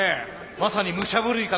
まさに武者震いか？